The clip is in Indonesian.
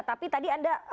tapi tadi anda